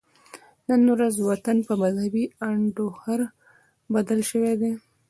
نن ورځ وطن په مذهبي انډوخر بدل شوی دی